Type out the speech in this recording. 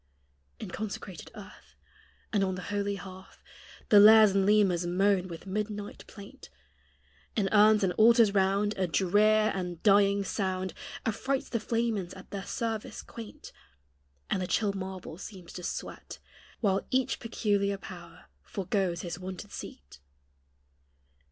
In consecrated earth, And on the holy hearth, The lares and lemures moan with midnight plaint; In urns and altars round A drear and dying sound Affrights the flamens at their service quaint; And the chill marble seems to sweat, While each peculiar power forgoes his wonted seat.